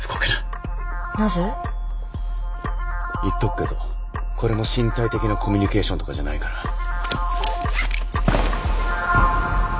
言っとくけどこれも身体的なコミュニケーションとかじゃないから。